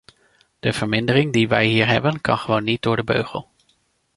De vermindering die wij hier hebben, kan gewoon niet door de beugel.